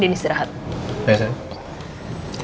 selamat istirahat ya